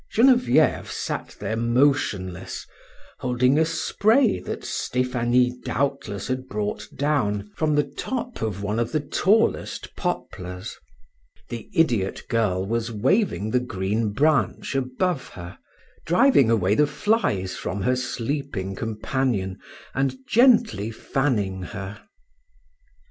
Genevieve sat there motionless, holding a spray that Stephanie doubtless had brought down from the top of one of the tallest poplars; the idiot girl was waving the green branch above her, driving away the flies from her sleeping companion, and gently fanning her.